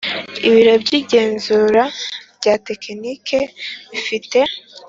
Ibiro by igenzura rya tekiniki bifite